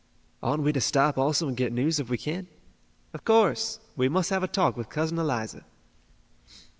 "Oughtn't we to stop also and get news, if we can?" "Of course. We must have a talk with Cousin Eliza."